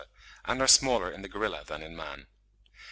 and are smaller in the gorilla than in man.